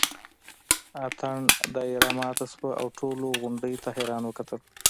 اتڼ دایره ماته شوه او ټولو غونډۍ ته حیران وکتل.